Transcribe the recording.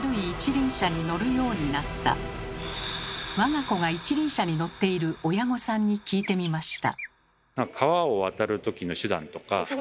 我が子が一輪車に乗っている親御さんに聞いてみました。